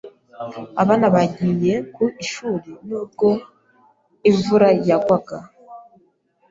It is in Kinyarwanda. Abana bagiye ku ishuri nubwo imvura yagwaga.